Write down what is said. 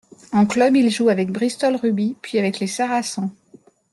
En club, il joue avec Bristol Rugby puis avec les Saracens.